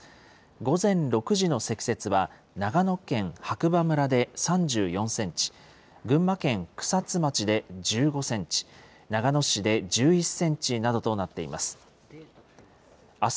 午前６時の積雪は、長野県白馬村で３４センチ、群馬県草津町で１５センチ、長野市で１１センチなどとなっています。